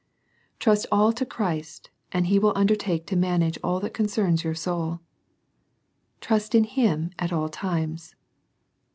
Trust all to Christ, and He will undertake to manage all that concerns your soul. Trust in Him at all times.